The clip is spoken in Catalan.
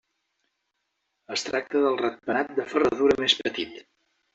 Es tracta del ratpenat de ferradura més petit.